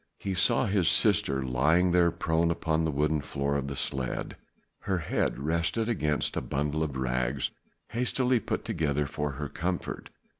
He saw his sister lying there prone upon the wooden floor of the sledge, her head rested against a bundle of rugs hastily put together for her comfort.